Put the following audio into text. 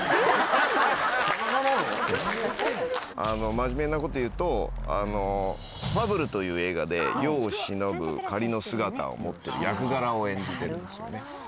真面目なこと言うと『ファブル』という映画で世を忍ぶ仮の姿を持ってる役柄を演じてるんですよね。